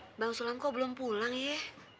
mak bang sulam kok belum pulang ya